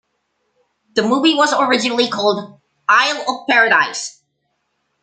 The movie was originally called "Isle of Paradise".